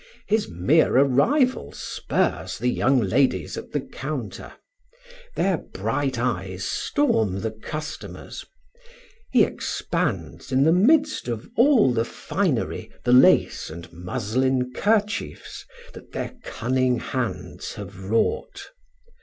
His mere arrival spurs the young ladies at the counter; their bright eyes storm the customers; he expands in the midst of all the finery, the lace and muslin kerchiefs, that their cunning hands have wrought.